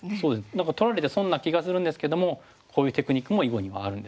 何か取られて損な気がするんですけどもこういうテクニックも囲碁にはあるんですね。